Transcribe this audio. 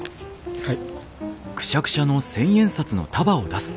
はい。